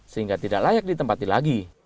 sehingga tidak layak ditempati lagi